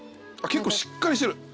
結構しっかりしてる。